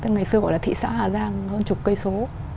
ngày xưa gọi là thị xã hà giang hơn chục cây số